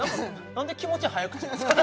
何で気持ち早口なんですか？